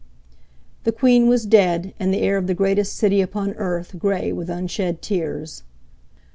The Queen was dead, and the air of the greatest city upon earth grey with unshed tears.